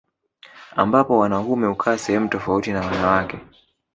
Ambapo wanaume hukaa sehemu tofauti na wanawake